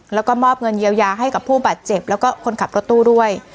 แล้วก็มอบเงินเยียวยาให้กับผู้บาดเจ็บแล้วก็คนขับรถตู้ด้วย